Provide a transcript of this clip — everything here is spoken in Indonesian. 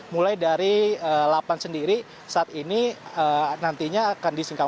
mulai dari delapan sendiri saat ini nantinya akan disingkatkan